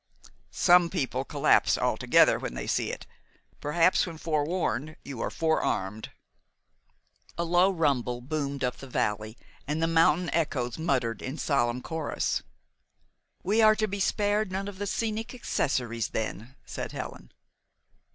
"Some people collapse altogether when they see it. Perhaps when forewarned you are forearmed." A low rumble boomed up the valley, and the mountain echoes muttered in solemn chorus. "We are to be spared none of the scenic accessories, then?" said Helen.